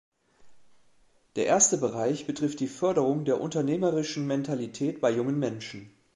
Der erste Bereich betrifft die Förderung der unternehmerischen Mentalität bei jungen Menschen.